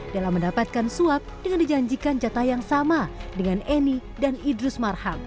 dalam mendapatkan suap dengan dijanjikan jatah yang sama dengan eni dan idrus marham